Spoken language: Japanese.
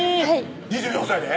２４歳で？